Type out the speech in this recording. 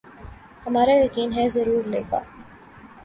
ہمارا یقین ہے ضرور لیگا